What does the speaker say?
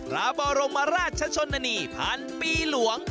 พระบรมราชชนนานีพันปีหลวง